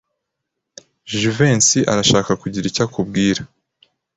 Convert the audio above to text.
Jivency arashaka kugira icyo akubwira.